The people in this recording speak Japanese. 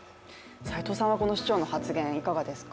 斎藤さんはこの市長の発言、いかがですか？